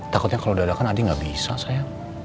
takutnya kalau udah ada kan adi gak bisa sayang